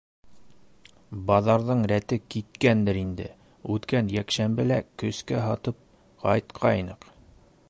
— Баҙарҙың рәте киткәндер инде, үткән йәкшәмбелә көскә һатып ҡайтҡайныҡ.